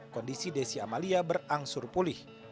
kondisi desi amalia berangsur pulih